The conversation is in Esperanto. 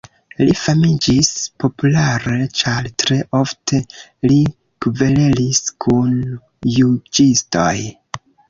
Li famiĝis populare ĉar tre ofte li kverelis kun juĝistoj.